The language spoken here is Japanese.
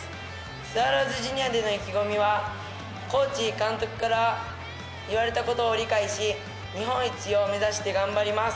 スワローズジュニアでの意気込みはコーチ監督から言われたことを理解し日本一を目指して頑張ります。